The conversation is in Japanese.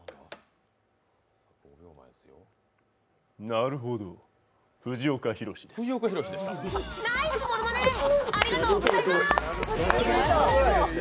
なるほど、藤岡弘、です。